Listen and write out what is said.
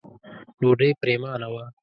ډوډۍ پرېمانه وه.